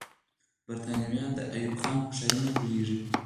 برتانويان د ایوب خان هوښیاري نه پوهېږي.